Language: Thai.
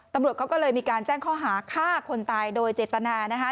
ตำรวจเขาก็เลยมีการแจ้งข้อหาฆ่าคนตายโดยเจตนานะคะ